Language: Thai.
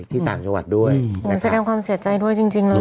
ต่างจังหวัดด้วยนั่นแสดงความเสียใจด้วยจริงจริงเนอะ